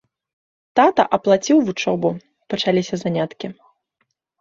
Тата аплаціў вучобу, пачаліся заняткі.